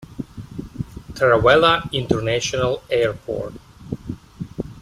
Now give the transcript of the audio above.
Taravella International Airport.